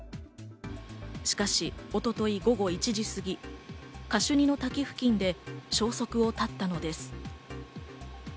しかし一昨日今後１時すぎ、カシュニの滝付近で消息を絶ったのです。